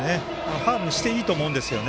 ファウルしていいと思うんです。